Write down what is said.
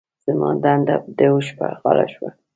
زما دنده د اوښ په غاړه شوه.